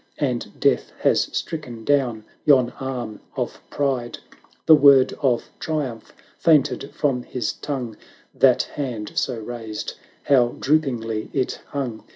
And Death has stricken down yon arm of pride. The word of triumph fainted from his tongue; That hand, so raised, how droopingly it hung!